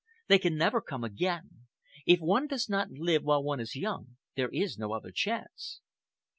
They can never come again. If one does not live while one is young, there is no other chance."